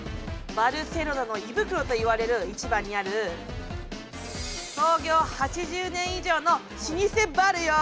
「バルセロナの胃袋」といわれる市場にある創業８０年以上の老舗バルよ。